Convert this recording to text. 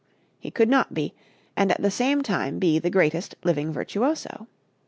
He could not be, and at the same time be the greatest living virtuoso.